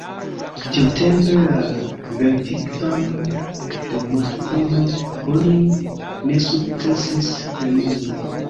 Tiutempe la verdikton de mortpuno oni ne sukcesis plenumi.